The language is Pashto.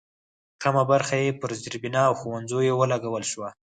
کمه برخه یې پر زېربنا او ښوونځیو ولګول شوه.